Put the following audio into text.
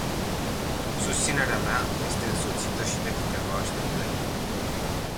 Susținerea mea este însoțită și de câteva așteptări.